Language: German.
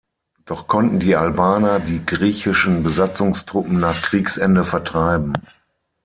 Doch konnten die Albaner die griechischen Besatzungstruppen nach Kriegsende vertreiben.